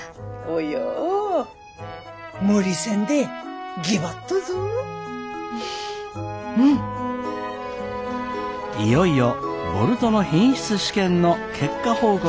いよいよボルトの品質試験の結果報告の日です。